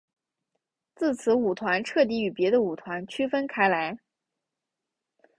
自此舞团彻底与别的舞团区别开来。